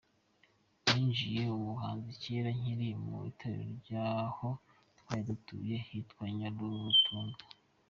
Ninjiye ubuhanzi kera nkiri mu itorero ry’aho twari dutuye hitwa Nyarutunga.